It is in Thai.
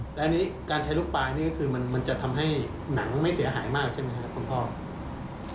แล้วอันนี้การใช้ลูกปลานี่ก็คือมันจะทำให้หนังไม่เสียหายมากใช่ไหมครับคุณพ่อ